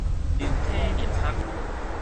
流體力學